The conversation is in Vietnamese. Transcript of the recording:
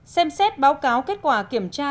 ba xem xét báo cáo kết quả kiểm tra